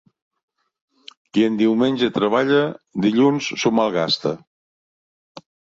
Qui en diumenge treballa, en dilluns s'ho malgasta.